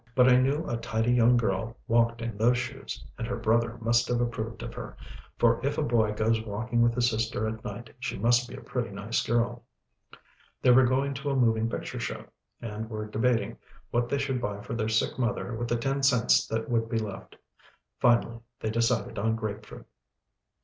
But I knew a tidy young girl walked in those shoes, and her brother must have approved of her, for if a boy goes walking with his sister at night, she must be a pretty nice girl. They were going to a moving picture show, and were debating what they should buy for their sick mother with the ten cents that would be left. Finally they decided on grape fruit.